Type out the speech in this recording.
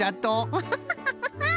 アハハハ！